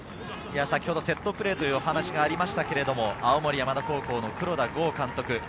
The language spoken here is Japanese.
先ほどセットプレーというお話がありましたが、青森山田高校の黒田剛監督。